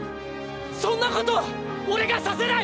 そんなこと俺がさせない！